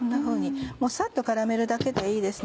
サッと絡めるだけでいいです。